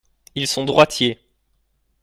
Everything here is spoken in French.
Ils sont droitiers.